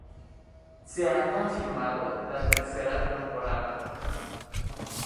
Se ha confirmado la tercera temporada.